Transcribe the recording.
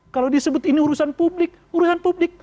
kalau disebut ini urusan publik urusan publik